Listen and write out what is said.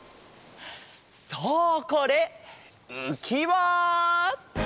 そうこれうきわ！